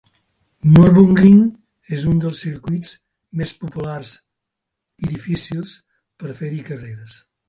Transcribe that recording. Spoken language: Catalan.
Nurburgring és un dels circuits més populars i difícils per fer-hi carreres.